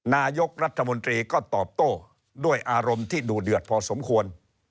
นายกรัฐมนตรีก็ตอบโต้ด้วยอารมณ์ที่ดูเดือดพอสมควร